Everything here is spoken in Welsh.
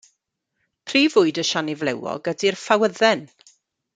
Prif fwyd y siani flewog ydy'r ffawydden.